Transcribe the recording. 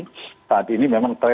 jadi tadi ini memang trennya